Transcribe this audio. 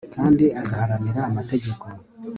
kandi agaharanira amategeko